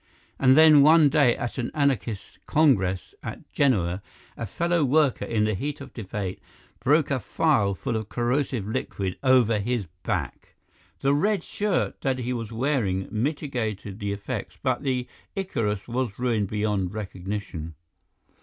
And then one day, at an anarchist congress at Genoa, a fellow worker, in the heat of debate, broke a phial full of corrosive liquid over his back. The red shirt that he was wearing mitigated the effects, but the Icarus was ruined beyond recognition.